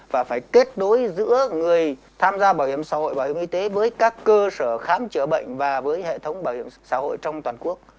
và phải kết nối giữa người tham gia bảo hiểm xã hội bảo hiểm y tế với các cơ sở khám chữa bệnh và với hệ thống bảo hiểm xã hội trong toàn quốc